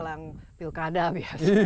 apalagi itu penjelang pilkada biasa